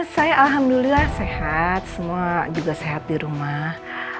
saya alhamdulillah sehat semua juga sehat di rumah